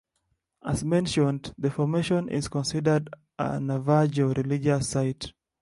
As mentioned, the formation is considered a Navajo religious site.